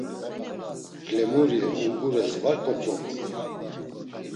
Ǩlemuri ongures var ǩotzobuni?